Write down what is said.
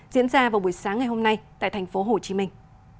diễn ra vào buổi sáng ngày hôm nay tại thành phố hồ chí minh